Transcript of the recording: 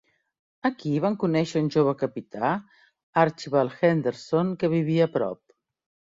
Aquí van conèixer un jove capità Archibald Henderson que vivia a prop.